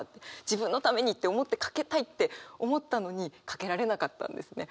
自分のためにって思ってかけたいって思ったのにかけられなかったんですね。